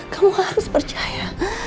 kamu harus percaya